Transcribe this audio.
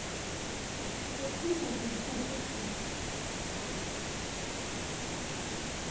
Surtout quand ils sont petits.